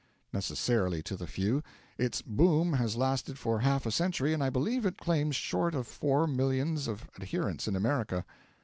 Necessarily to the few; its 'boom' has lasted for half a century and I believe it claims short of four millions of adherents in America.